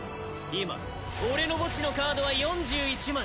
今俺の墓地のカードは４１枚。